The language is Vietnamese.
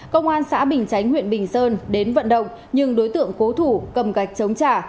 công an xã bình chánh huyện bình sơn đến vận động nhưng đối tượng cố thủ cầm gạch chống trả